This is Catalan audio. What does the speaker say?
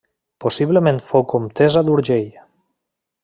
Possiblement fou comtessa d'Urgell.